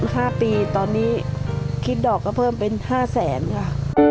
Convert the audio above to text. ห้าปีตอนนี้คิดดอกก็เพิ่มเป็นห้าแสนค่ะ